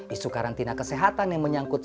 isu karantina kesehatan yang menyangkut